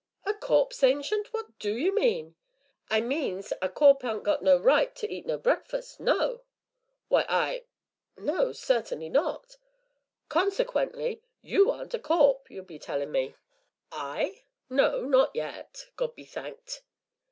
"A corpse, Ancient; what do you mean?" "I means as a corp' aren't got no right to eat a breakfus' no!" "Why, I no, certainly not." "Consequently, you aren't a corp', you'll be tellin me." "I? no, not yet, God be thanked!"